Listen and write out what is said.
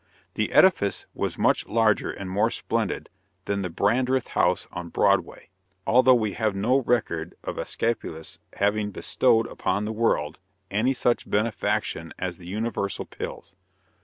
The edifice was much larger and more splendid than the Brandreth House on Broadway, although we have no record of Æsculapius having bestowed upon the world any such benefaction as the universal pills.